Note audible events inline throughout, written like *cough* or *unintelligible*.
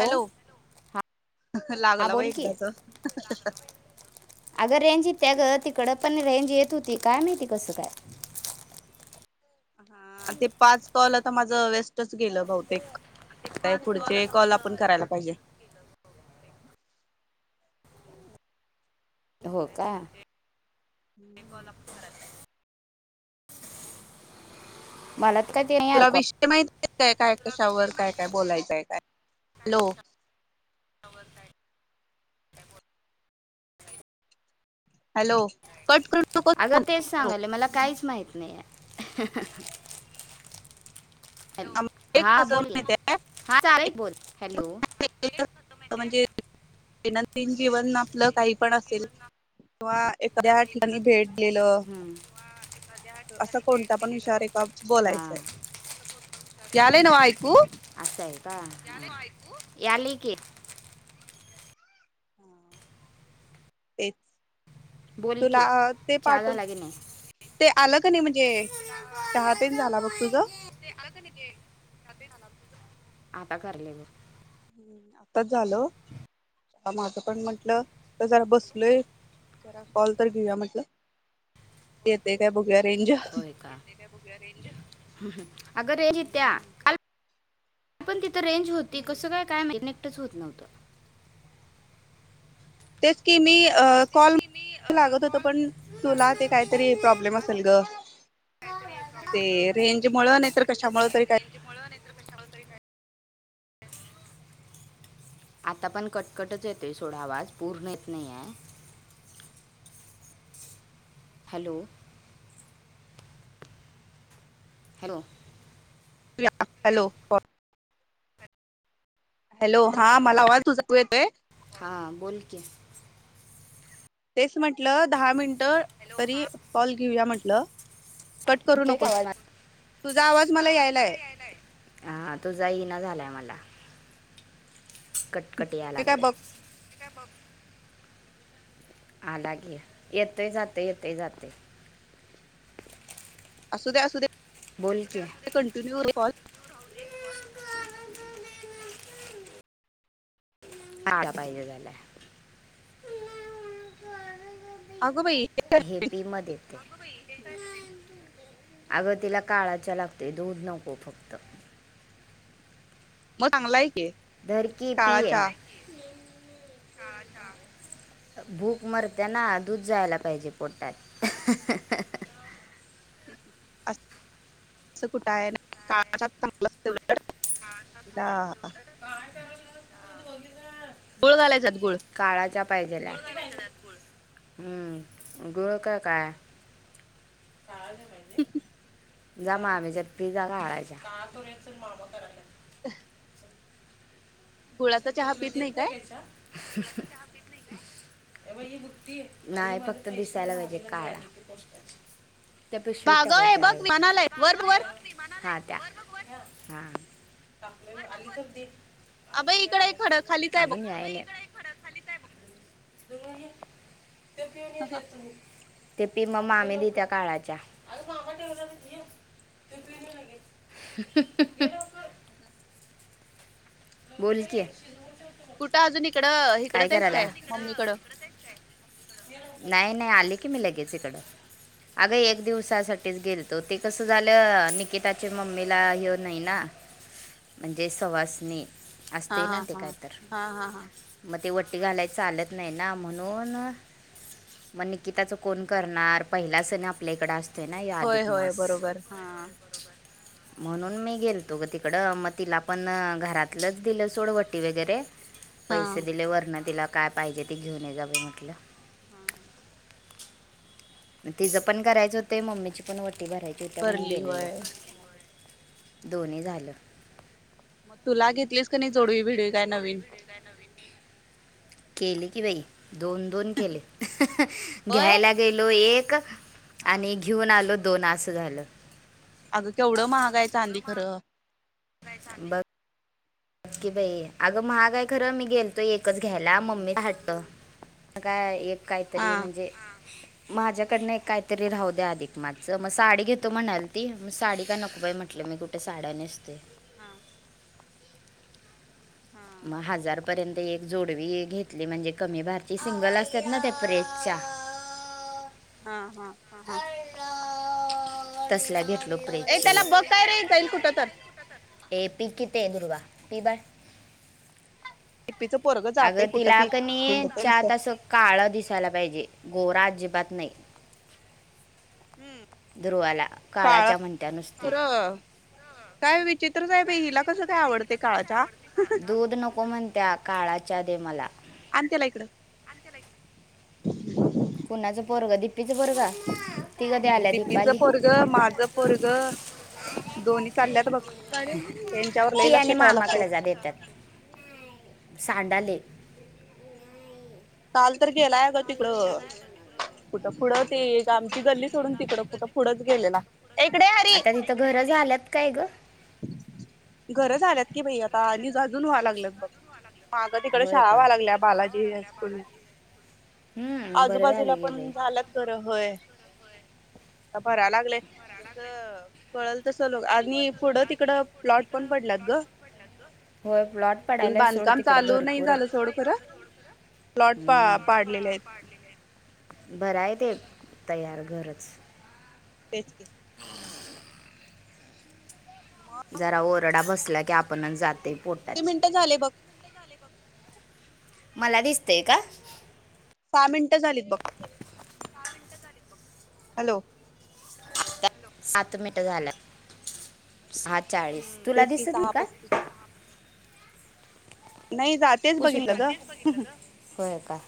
Hello हां हां लागला बाई बोल एकदाचा. अग रेंज येत्या गं. तिकडं पण रेंज ज येत होती, काय माहीती कसं काय? हा ते पाच कॉल आता माझं वेस्टच गेलं बहुतेक. आता पुढचे कॉल आपण करायला पाहिजे. हो का? हं. मला. काय ते नाही आलं तुला विषय माहिती काय? काय कशावर काय काय बोलायचंय काय? हॅलो हॅलो कट कर- अगं तेच सांगायले मला काहीच माहीत नाहीये. हं हं. हॅलो, एक हा कसं बोल माहित आहे हा ऐक बोल. हॅलो म्हणजे दैनंदिन जीवन आपलं काही पण असेल. किंवा मु एखाद्या काही पण ठिकाणी असतील भेटलेलं किवा एखाद्या असं ठिकाणी भेट कोणत्या पण दिलेलं विषयावर एका ह बोलायचंय यालय नव्ह ऐकू असं आहे का. यालय की. तेच. बोल तुला की अ ते चहा पाठून झाला की नाही ते. आलं का नाही म्हणजे, चहा तेन झाला बघ तुझं. आता करालोय बग. आताच आलो, माझं पण म्हटलं, तर जरा बसलोय जरा कॉल तर घेऊया म्हटलं येते काय बघु होय का, अग रेंज् येत्या. आपण तिथं. तिथं रेंज होती कसं काय काय माहीत नाही. कुठंच होत नव्हतं. तेच की मी अ कॉल लागत होत पण तुला ते काहीतरी प्रॉब्लेम असेल ग ते रेंज मूळ नाहीतर कशा मूळ तरी काय *unintelligible* आता पण कटकटच येतेय सोडा आवाज पूर्ण येत नाही ये. हॅलो हॅलो काय हॅलो फ हॅलो हा मला आवाज तुझा तू येतोय हां बोल की तेच म्हटलं दहा मिनि तर तरी कॉल घेऊया म्हटलं कट करू येतोय का नकोस आवाज तुझा आवाज मला यायलाय हां तुझा येईना कट कट ते काय यायलागला बघ आहे ते बघ आलागी येतय जात येतय जात ये असू द्या असू दे कंटिन्यूॉल युअर कॉल आळ पाहिजला? अग बाई आगतीला काळा चहा लागतोय दूध नको फक्त मग चांगला ये धरकी पी हे भूक मरताना दूध जायला पाहिजे पोटात हा हा हम् आ असं कुठं आहे ना का मलाव *unintelligible* गोळगालायचा काळा चहा पाहिजेलाय हम्म गुळ का काय म्मह जा मामीच्यात पी जा काळा चहा. हह गुळाचा चहा पीत नाय काय? आता चहा पीत नाय का नाय फक्त दिसायला पाहिजे काय? भाग हे बघ विमान आलंय वर वर वर बग वर हा कापलेल आल तर दे तकड हाय खड खालीच आहे बघ याय नाही त्यो पिऊन येत्यात तुमीच ते पी म मामी देतिया काळाच्या चहा हम् हम बोलकी कुठं अजून तिकडं हिकडच आहेस काय मम्मीकडं नाही नाही आली की मी लगेच इकडं अगं एक दिवसासाठीच गेलतो ते कसं झालं निकिताची मम्मीला येऊन नाही ना म्हणजे सवासनी हा असते हा ना हा हा हा हा वाटी घालाय चालत नाही ना म्हणून मग निकिताच कोण करणार पहिला सण आपल्या इकड असत होय होय बरोबर हा म्हणून मी गेलतो ग तिकडं म तिला पण घरात लंच दिलं सोडवटी वगैरे हा पैसे हा दिले वर्ण तिला काय पाहिजे ते घेऊन ये जा बाई म्हटलं हा हा तिचं पण करायच होते मम्मीची पण वटी भरायची होती म्हणून भरली गेलेलो होय दोन्ही झालं मतुलागीत तुला घेतलीस का नाय जोडवी बिडवी नवीन केले की बय दोन दोन केले होय घ्यायला गेलो एक ग आणि घीऊन आलोत दोन आसं झालं अगं, केवढी महाग आहे चांदी खरं बस कि बाई, अगं महाग आहे खरं मी गेले होते घ्यायला एकच घ्यायला मम्मी चा हट्ट काय एक हा काहीतरी म्हणजे माझ्या कडून एक काहीतरी राहू द्या अधिक मास च, मग साडी घेते म्हणाली होती ती, मग साडी काही नको बाई म्हटलं, मी कुठे साड्या नेसते हा हा मग हजारपर्यंत एक जोडवी घेतली म्हणजे कमी वाजना ची सिंगल असतात ना ते प्रेस च्या हा- हा- हा- हा तसल्या भेटल्या एक त्याला बघ काय रे, जाईल कुठं तर पिक येते, ते दुर्वा पि बाळ टिप्पीचं पोरगं जातय अगं कुठं तिला बी कि नाही..... हिंडतय नुसतं चहात अस काळा दिसायला पाहिजे गोरा अजिबात नाही हम... ध्रुवाला काळ काळाच्या म्हणत्या नुसती खरं काय विचित्र साहेब हिला कसं काय आवडते? काळा चहा दूध नको म्हणत्या काळाच चहा दे मला आणि त्याला इकडे कुणाचं पोरगं दिपीच पोरगं ती कधी आल्या दिपीचं दिपाली? पोरग माझं पोरग दोन्ही चालल्यात बघ त्यांच्यावर लई पि लक्ष आणि ठेवावं लागतंय मामाकडे जा देतात. सांडालय. काल तर गेला आहे ग तिकडे, कुठं पुढें ती आमची गल्ली सोडून तिकडे कुठ पुढच गेलेला ए इकडे ये आरी आता तिथं घरं झाल्यात काय ग घर झाल्यात की बाई आता आणि अजून व्हाल्यात बघ मागे तिकडे होय शाळा का व्हायला लागली बालाजी हम्म, हम्म बरं आजूबाजूला झाले गे बाई पण झाल्यात घरं होय. आता भराय लागले. तसं कळल तसं लोक आणि पुढं आणि तिकडं पुढं प्लॉट पण तिकडं पडल्यात प्लॉट ग पण पडल्यात ग, होय प्लॉट अजून पडायलय सोड बांधकाम तिकडे चालू नाही भरपूर आहेत, झालं सोड बांधकाम चालू नाय खरं झालं सोड खरं. प्लॉट पा हम्म, प्लॉट पाडलेले पा आहेत पाडलेले हायत, बर काय ते, तयार घरच तेच कि. मग जरा ओरडा बसला की आपणच जाते. किती पोटात मिनिटं झाले बघ. मला दिसतेय का? सहा मिनिटं झालीत बघ. हॅलो! सात मिटं झाल्यात. सहा चाळीस, हम्म तुला तेच की दिसत नाही सहा का? पस्तीस नाही जा तेच पुसून बघितलं का, हा ग तेच बघितलं ग, हो का?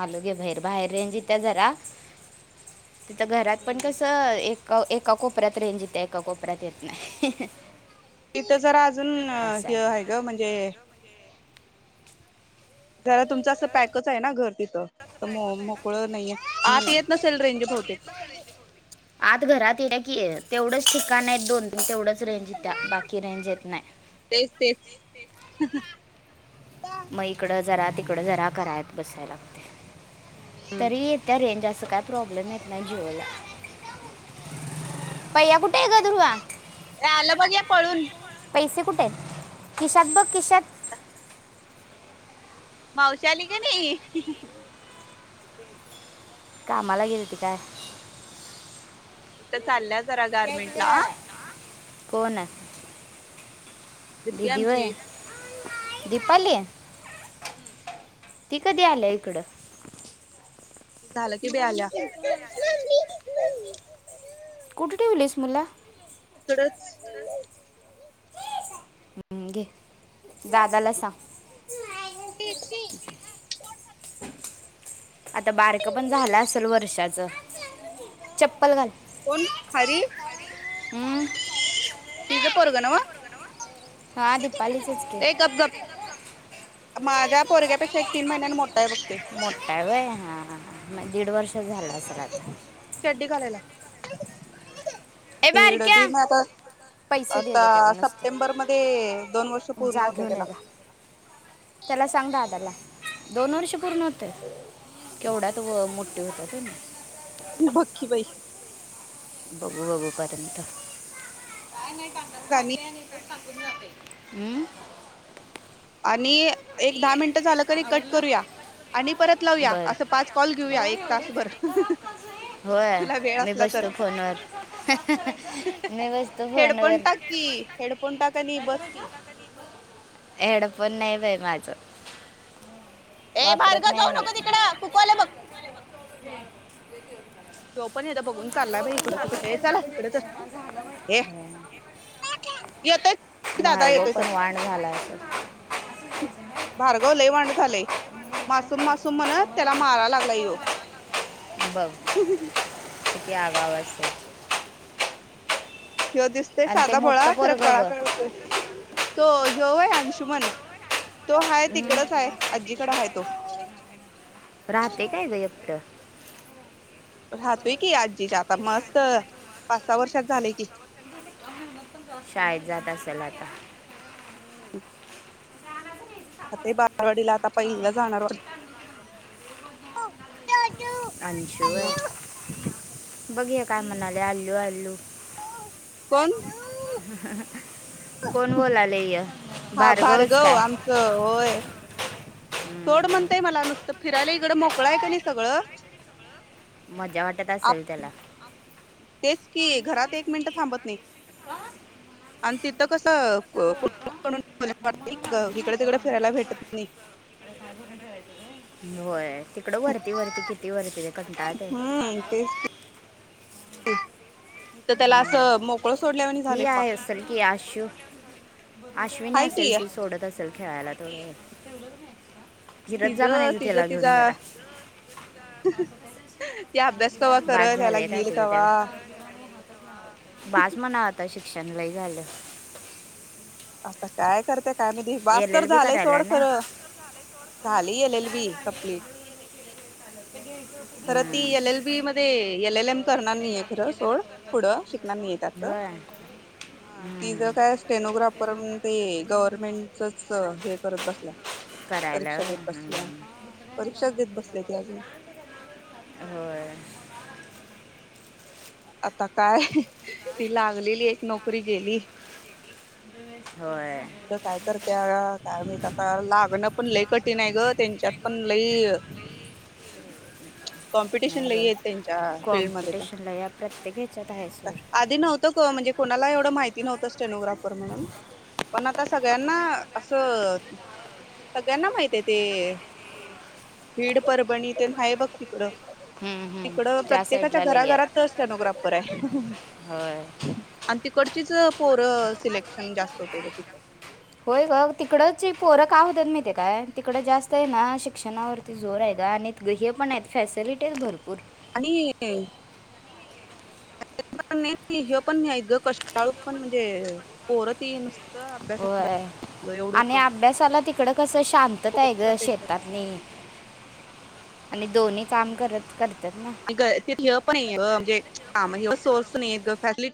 आलो घे बाहेर. बाहेर रेंज येत्या जरा. तिथं घरात पण हम्म कसं एक क एका कोपऱ्यात रेंज येत्या एका कोपऱ्यात येत नाही. तिथं जरा अजून हे आहे ग म्हणजे जरा तुमचं असं पॅकच आहे ना घर. तिथं, पण अ मोकळ नाहीये, आत हं. येत नसेल रेंज बहुतेक. आत घरात येत्या की तेवढंच ठिकाण आहेत दोन. तीन तेवढंच रेंज येत्या बाकी रेंज येत नाही तेच तेच. मग इकडं जरा तिकड जरा कराय बसाय लागते. हम्म. तरी येत्या रेंज असं काय प्रॉब्लेम येत नाही जिओला. भैय्या कुठे आहे ग? दुर्वा, या आलं बघ या पळून. पैसे कुठे आहेत? खिशात बघ खीशात. मावशी आली क नई? कामाला गेलती काय? आता चालल्यात. जरा गारमेंटला. आं? कोण आहे? दिप्पी दिदी व्हय? आमची दीपाली? हम्म ती कधी आल्या इकडं? झालं कि बाई आल्या कुठे ठेवलीस मुला? इकडंच. हं घे. दादाला सांग. *unintelligible* आता बारक पण झालं असेल वर्षाच? चप्पल घाल. कोण हरी अं? हीच पोरगं नव्ह? हा दीपालीचंच की ए गप गप. माझ्या पोरग्यापेक्षा एक तीन महिन्या मोठ मोठाये व्हय? हां हां हां. दीड वर्षाचा झालं असेल आता? चड्डी *unintelligible* ए दीड, बारक्या दीड नाय आता पैसे दे आता जा त्याला नुसतं सप्टेंबर मध्ये दोन वर्ष पूर्ण जा होते घेऊन त्याला. ये जा त्याला सांग दादाला दोन वर्ष पूर्ण होताय? केवढा तू *inaudible* बघ की बाई. बघू बघू पर्यंत. मग आणि *unintelligible* अं? आणि एक दहा मिनट झालं कणी कट करूया, आणि परत लावूया बरं असं पाच कॉल घेऊया, एक तासभर होय तुला वेळ असला तर बसतो मी बसतो फोन हेडफोन वर टाक की हेडफोन टाक आणि बस की हेडपोन नाय बाई माझ. ये भारग जाऊ नको तिकड कुकू आल बघ. *unintelligible* टॉप. पण हेदा बघून चाललाय बा इकड तिकड हे चला इड तर हे येतय दादा भार्गव येतोय चल पण वाण झाला असं झालय मासूम मासूम म्हणत त्याला माराय लागलाय ह्यो *unintelligible* ती आगाव असत्यात. ह्यो दिसतय साधा भोळा खरं पोरग कळा ग कळतोय तो ह्यो व्हय. अशुमन तो हाय हम्म. तिकडच हाय. आजीकड हाय तो. राहतय काय ग एकटं? राहतोय की आजीच्यात आता मस्त पाच सहा वर्षाच झालय की, शाळेत जात असेल आता. हम्म. जातय बालवाडीला आता पहिलीला जाणार वाट अंशु व्हय. बघ ये काय हम्म म्हणालय आल्लू आल्लू कोण? कोण बोलाले य हा भार्गवच भार्गव काय आमचं होय. सोड हम्म. म्हणतय मला नुसतं फिरायला इकडं मोकळ हाय कनी सगळं मजा वाटत आप असल त्याला तेच कि घरात एक मिनिटं थांबत नाही. ह *unintelligible* आणि तिथं कसं कुठ पण इकड तिकड फिरायला भेटत नाही. होय तिकडं वरती वरती किती वरती ते कंटाळतय ते हम्म इथ त्याला असं मोकळ सोडल्यावानी झालय ही पाक आहे अश्विनी हाय की असेल ती सोडत असेल खेळायला. ती अ तिजं तिज तिजा ते अभ्यास कवा्हा कर बाद त्याला झाले का गेईल कावा बाजमाणा आता श शषणलाही झालं आता काय करत काय म बस एल तर एल बी झालंय करायला सोड ना खरं झाली गलेल बी कंप्लीट तर ती हम्म. एल एल बी मध्ये एल एल एम करणार नाही आहे खरं सोड पुढं शिकणार नाहीय त्याच होय ती ज हम्म. काय स्टेनोग्राफ पण ते गव्हर्मेंटच हे करत बसल्या करायला परीक्षा होय देत बसल्या हम्म. परीक्षाच देत बसले ते अजून हो आता काय ती लागलेली एक नोकरी गेली होय ढं काय करते काय म आता लागणं पण लई कठीण आहे ग त्यांच्यात पण लई म्हणजे कॉम्पिटिशन ल येत त्यांच्या फिल्डमध्येध्ये पण ला या प्रत्येकीेच्यात आहे सोर आधी नव्हतं म्हणजे कोणाला एवढं माहिती नव्हतं स्टेनोग्राफर म्हणून पण आता सगळ्यांना असं सगळ्यांना माहिित आहे ते भीड परभणी ते बघ तिकडं हम्म हम्म त्या सईडला ल या ा तड सिलेक्शन जास्त होते तिथ होय ग तिकडच पोरक आहत मी ते काय तिकडं जास्त आहे ना शिक्षणावरती जोर आहे ग आणि हे पण आहेत फॅसिलिटीच भरपूर आणि *unintelligible* ते पण नाही आणि ह्योपण नाही ग कष्टाळू पण म्हणजे पोर ती नुस होय आणि अभ्यासाला तिकडं कसं शांतता आहे फोकस ग राहते शेतातनी आणि दोन्ही काम हम्म करत करतात ना तिथ *unintelligible* पण म्हणजे हा म्हणजे सोर्स नाही ग फॅसीट